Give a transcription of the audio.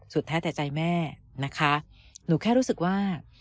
แท้แต่ใจแม่นะคะหนูแค่รู้สึกว่า